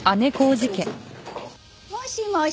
もしもし？